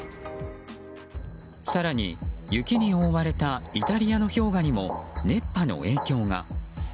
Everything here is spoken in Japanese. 更に、雪に覆われたイタリアの氷河にも熱波の影響が。